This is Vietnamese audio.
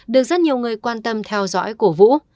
được rất nhiều người quan tâm theo dõi cổ vũ